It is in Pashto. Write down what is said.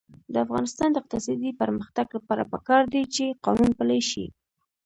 د افغانستان د اقتصادي پرمختګ لپاره پکار ده چې قانون پلی شي.